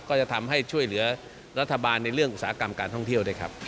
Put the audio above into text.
ก็จะทำให้ช่วยเหลือรัฐบาลในเรื่องอุตสาหกรรมการท่องเที่ยวด้วยครับ